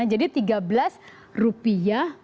jadi tiga belas rupiah